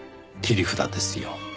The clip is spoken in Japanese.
「切り札」ですよ。